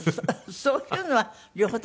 そういうのは両方共